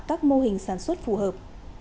các mô hình sản xuất phù hợp